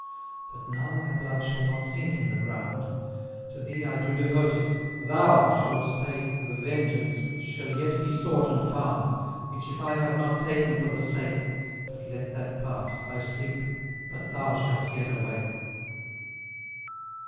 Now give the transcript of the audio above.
But now my blood shall not sink in the ground; To thee I do devote it THOU shalt take The vengeance, which shall yet be sought and found, Which if I have not taken for the sake But let that pass I sleep, but thou shalt yet awake.